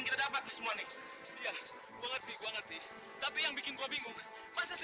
ketika kita berdua kita tidak bisa menemukan keti